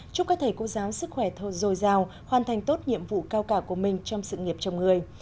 chúc các thầy cô giáo sức khỏe thô dồi dào hoàn thành tốt nhiệm vụ cao cả của mình trong sự nghiệp trong người